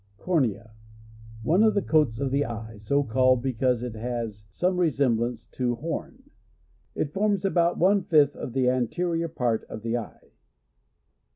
Cornea. — One of the coats of the eye, so called, because it has some re semblance to horn. It forms about one fifth of the anterior part of the eye.